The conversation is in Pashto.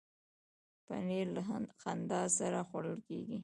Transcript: پنېر له خندا سره خوړل کېږي.